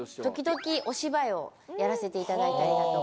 時々お芝居をやらせていただいたりだとか。